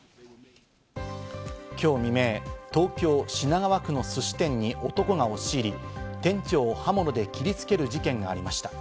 今日未明、東京・品川区のすし店に男が押し入り、店長を刃物で切りつける事件がありました。